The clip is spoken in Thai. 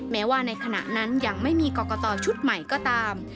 แม้ว่าในขณะนั้นยังไม่มีกรกตชุดใหม่ก็ตาม